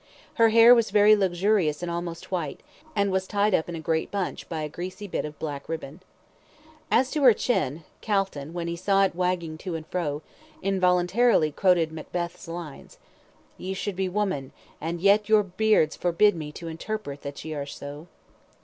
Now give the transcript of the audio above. Her hair was very luxurious and almost white, and was tied up in a great bunch by a greasy bit of black ribbon. As to her chin, Calton, when he saw it wagging to and fro, involuntarily quoted Macbeth's lines "Ye should be women, And yet your beards forbid me to interpret That ye are so."